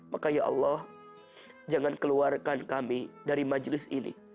maka ya allah jangan keluarkan kami dari majelis ini